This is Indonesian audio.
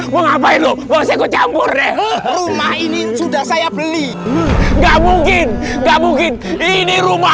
mengapain lu mau sekot campur rumah ini sudah saya beli nggak mungkin nggak mungkin ini rumah